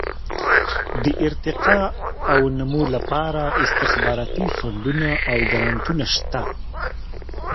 د ارتقاء او نمو لپاره استخباراتي فنډونه او ګرانټونه شته.